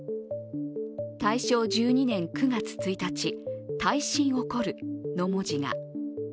「大正１２年９月１日、大震起こる」の文字が。